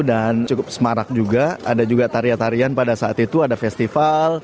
dan cukup semarak juga ada juga tarian tarian pada saat itu ada festival